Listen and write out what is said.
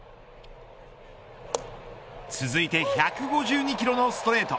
続いて１５２キロのストレート。